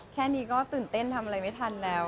แค่นี้ก็ตื่นเต้นทำอะไรไม่ทันแล้ว